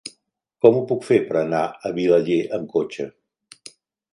Com ho puc fer per anar a Vilaller amb cotxe?